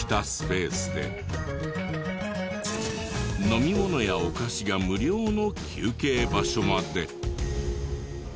飲み物やお菓子が無料の休憩場所まで。